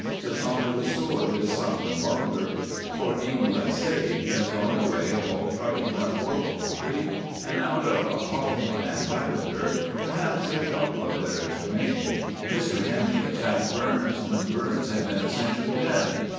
The Song of the Sword is sung no longer; For England's Sake has gone the way of all truculent war poetry; and out of Hawthorn and Lavender perhaps a couple of lyrics remain. Mr. Henley attacked Burns when Burns had been a century dead.